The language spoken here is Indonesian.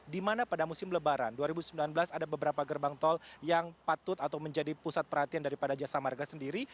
di mana pada musim lebaran dua ribu sembilan belas ada beberapa gerbang tol yang patut atau menjadi pusat perhatian daripada jasa marga sendiri